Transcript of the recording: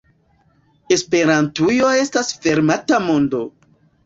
Esperantujo estas fermata mondo.